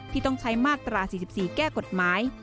ต้องใช้มาตรา๔๔แก้กฎหมาย